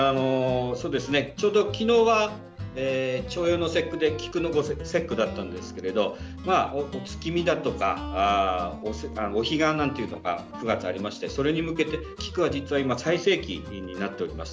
ちょうど昨日が重陽の節句で菊の節句だったんですけどお月見だとか、お彼岸とか９月にありまして、それに向けて菊は今、最盛期になっています。